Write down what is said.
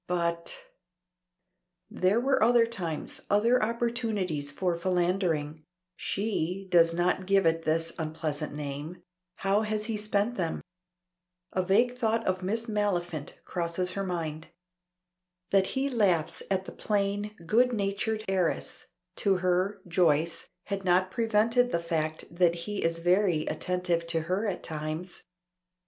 But There were other times, other opportunities for philandering (she does not give it this unpleasant name); how has he spent them? A vague thought of Miss Maliphant crosses her mind. That he laughs at the plain, good natured heiress to her (Joyce), had not prevented the fact that he is very attentive to her at times.